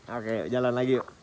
oke jalan lagi yuk